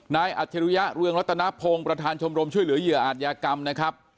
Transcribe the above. นายอัธรุยะรโบราธิษฐ์ชมโรมช่วยเหลือเหยื่ออาธญากรรมนะครับ